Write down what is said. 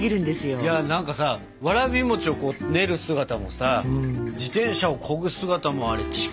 いや何かさわらび餅をこう練る姿もさ自転車をこぐ姿もあれ力強かったですよ。